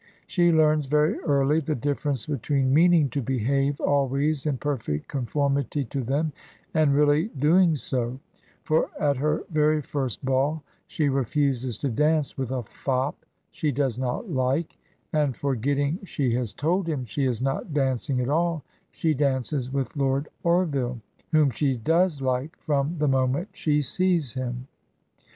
She learns very early the difference between meaning to behave always in perfect conformity to them and really doing so, for at her very first ball she refuses to dance with a fop she does not like, and, forgetting she has told him she is not dancing at all, she dances with Lord Orville, whom she does like from the moment she sees him.